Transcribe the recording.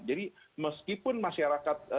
jadi meskipun masyarakat